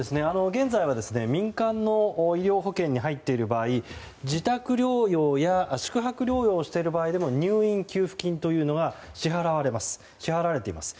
現在は、民間の医療保険に入っている場合、自宅療養や宿泊療養をしている場合でも入院給付金というのが支払われています。